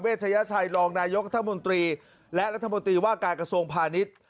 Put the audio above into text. เวชยชัยรองนายกระทรวงการกระทรวงการพาณิชย์